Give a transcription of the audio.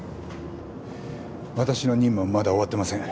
私の任務はまだ終わってません。